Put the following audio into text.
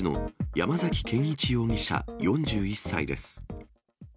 山崎健一容疑者４１歳です。